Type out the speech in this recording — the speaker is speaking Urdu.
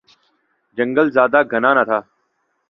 جنگل زیادہ گھنا نہ تھا